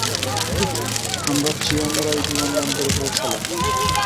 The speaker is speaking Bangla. আমরা চিয়াং রাই বিমানবন্দরে পৌঁছালাম।